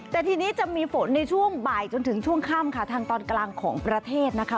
แต่ทีนี้จะมีฝนในช่วงบ่ายจนถึงช่วงค่ำค่ะทางตอนกลางของประเทศนะคะ